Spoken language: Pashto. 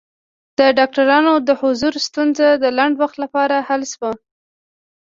د ډاکټرانو د حضور ستونزه د لنډ وخت لپاره حل شوه.